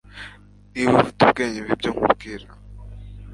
niba ufite ubwenge, umva ibyo nkubwira